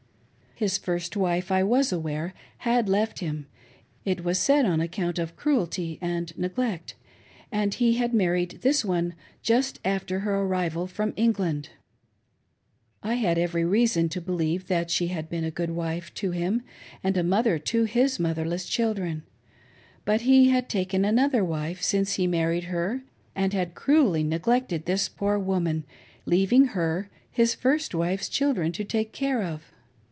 His first wife, I was aware, had left him — it was said, on account of cruelty and neglect — and he had married this one just after her arrival from England. I had every reason to believe that she had been a good wife to him, and a mother to his motherless children ; but he had taken another wife since he married her and had cruelly neglected this poor woman, leaving her his first wife's children to take care of.